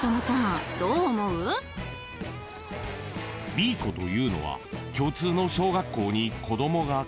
［Ｂ子というのは共通の小学校に子供が通うママ］